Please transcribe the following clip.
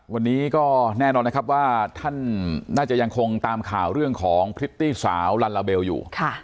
วันนี้ก็แน่นอนนะครับว่าท่านน่าจะยังคงตามข่าวเรื่องของพริตตี้สาวลัลลาเบลอยู่